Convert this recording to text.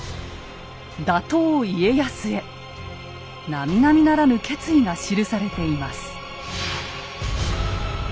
打倒家康へなみなみならぬ決意が記されています。